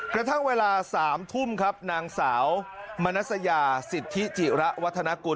กระทั่งเวลา๓ทุ่มครับนางสาวมนัสยาสิทธิจิระวัฒนากุล